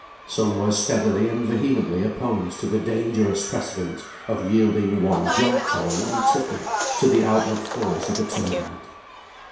Some were steadily and vehemently opposed to the dangerous precedent of yielding one jot or one tittle to the outward force of a turn out.